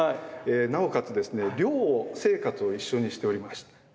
なおかつですね寮生活を一緒にしておりました。